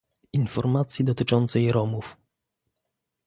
Informacji dotyczącej Romów